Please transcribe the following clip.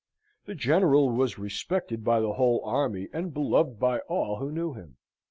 The General was respected by the whole army, and beloved by all who knew him.